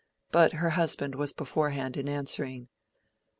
But her husband was beforehand in answering.